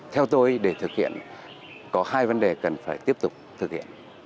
theo tôi để thực hiện có hai vấn đề cần phải tiếp tục thực hiện